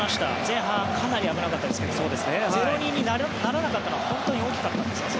前半、かなり危なかったですけど０−２にならなかったのは本当に大きかったんです。